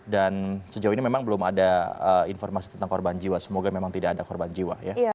dan sejauh ini memang belum ada informasi tentang korban jiwa semoga memang tidak ada korban jiwa ya